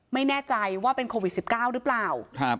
ไม่แน่ใจว่าเป็นโควิดสิบเก้าหรือเปล่าครับ